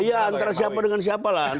iya antara siapa dengan siapa lah